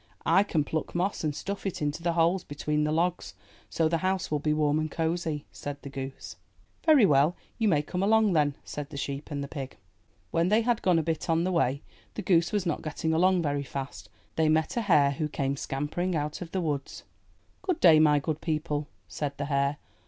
I can pluck moss and stuff it into the holes between the logs so the house will be warm and cosy," said the goose. ''Very well, you may come along then." said the sheep and the pig. When they had gone a bit on the way — the goose was not getting along very fast — they met a hare, who came scampering out of the woods. ''Good day, my good people," said the hare.